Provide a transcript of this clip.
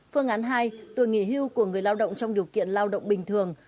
phương án hai tuổi nghỉ hưu của người lao động trong điều kiện lao động bình thường